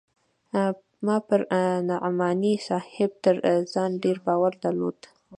ما پر نعماني صاحب تر ځان ډېر باور درلود.